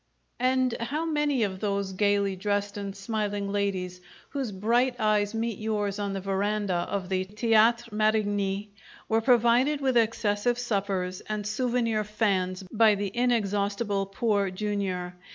And how many of those gaily dressed and smiling ladies whose bright eyes meet yours on the veranda of the Theatre Marigny were provided with excessive suppers and souvenir fans by the inexhaustible Poor Jr.!